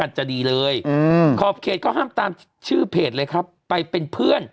จะดีเลยอืมขอบเขตก็ห้ามตามชื่อเพจเลยครับไปเป็นเพื่อน